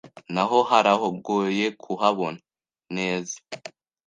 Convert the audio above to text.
Naho haragoye kuhabona neza